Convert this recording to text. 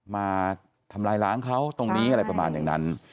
มาทำลายล้างเขาตรงนี้อะไรประมาณอย่างนั้น